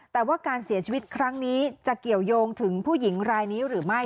แต่ว่าการเสียชีวิตครั้งนี้จะเกี่ยวยงถึงผู้หญิงรายนี้หรือไม่